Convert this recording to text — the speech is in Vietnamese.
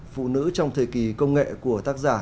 phụ nữ trong thời kỳ công nghệ của tác giả